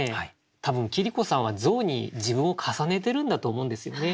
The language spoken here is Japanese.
多分桐子さんは象に自分を重ねてるんだと思うんですよね。